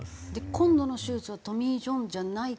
今度の手術はトミー・ジョンじゃないと。